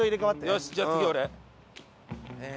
よしじゃあ次俺。